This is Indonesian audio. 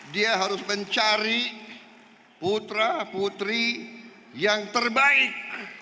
dia harus mencari putra putri yang terbaik